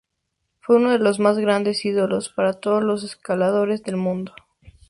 Fue uno de los más grandes ídolos para todos los escaladores del mundo.